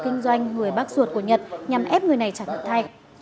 kinh doanh người bác ruột của nhật nhằm ép người này trả nợ thay